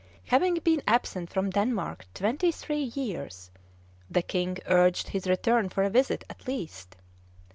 Having been absent from Denmark twenty three years, the King urged his return for a visit, at least.